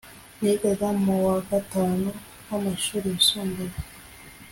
Nigaga mu wa gatanu w‘amashuri yisumbuye.